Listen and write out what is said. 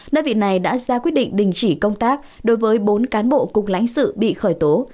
nơi vị này đã ra quyết định đình chỉ công tác đối với bốn cán bộ cục lãnh sự bị khởi tố